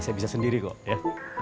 saya bisa sendiri kok ya